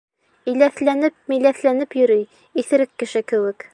Иләҫләнеп-миләҫләнеп йөрөй, иҫерек кеше кеүек.